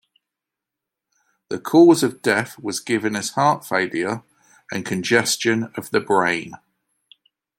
The cause of death was given as heart failure and "congestion of the brain".